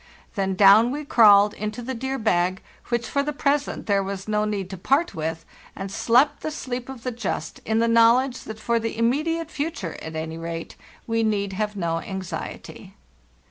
Then down we crawled into the dear bag, which for the present there was no need to part with, and slept the sleep of the just in the knowledge that for the immediate future, at any rate, we need have no anxiety.